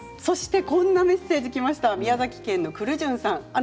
こんなメッセージきました。